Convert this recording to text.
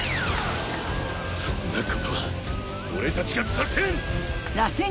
そんなことは俺たちがさせん！